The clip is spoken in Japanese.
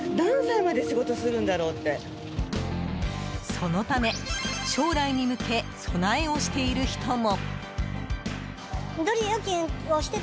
そのため将来に向け備えをしている人も。